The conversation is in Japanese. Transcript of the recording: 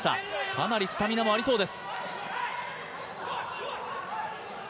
かなりスタミナもありそうです。